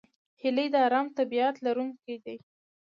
هیلۍ د آرام طبیعت لرونکې ده